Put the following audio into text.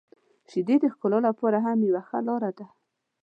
• شیدې د ښکلا لپاره هم یو ښه لاره ده.